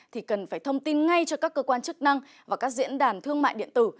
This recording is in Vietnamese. thì cần phải thông tin ngay cho các cơ quan chức năng và các diễn đàn thương mại điện tử